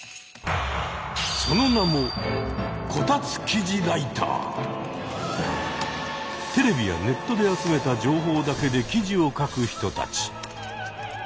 その名もテレビやネットで集めた情報だけで記事を書く人たち。